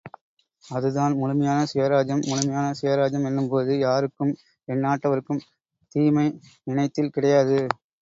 அதுதான் முழுமையான சுயராஜ்யம்... முழுமையான சுயராஜ்யம் என்னும் போது யாருக்கும், எந்நாட்டவருக்கும் தீமை நினைத்தில் கிடையாது.